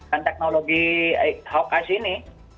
dan teknologi hawk eyes ini